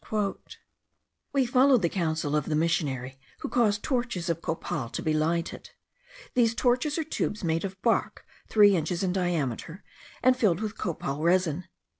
We followed the counsel if the missionary, who caused torches of copal to be lighted. These torches are tubes made of bark, three inches in diameter, and filled with copal resin.